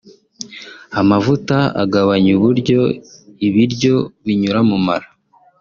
Amavuta agabanya uburyo ibiryo binyura mu mara